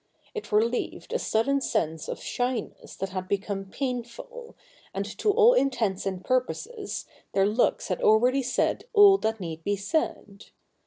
It relieved a sudden sense of shyness that had become painful, and to all intents and purposes their looks had already said all that need be said.